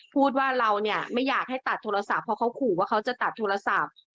พูดว่าเราเนี่ยไม่อยากให้ตัดโทรศัพท์เพราะเขาขู่ว่าเขาจะตัดโทรศัพท์